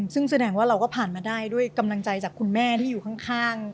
ซึ่งแสดงว่าเราก็ผ่านมาได้ด้วยกำลังใจจากคุณแม่ที่อยู่ข้าง